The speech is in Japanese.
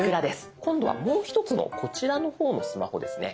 今度はもう１つのこちらの方のスマホですね。